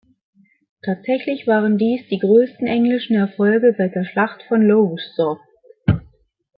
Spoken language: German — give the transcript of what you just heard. Tatsächlich waren dies die größten englischen Erfolge seit der Schlacht von Lowestoft.